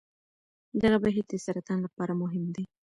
دغه بهیر د سرطان لپاره مهم دی.